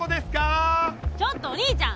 ちょっとお兄ちゃん！